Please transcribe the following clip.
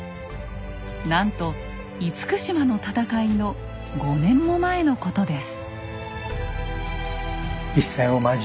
なんと厳島の戦いの５年も前のことです。